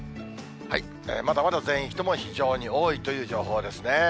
まだまだ全域とも非常に多いという情報ですね。